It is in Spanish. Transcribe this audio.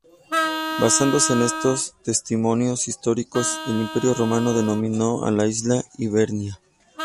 Basándose en estos testimonios históricos, el Imperio Romano denominó a la isla "Hibernia".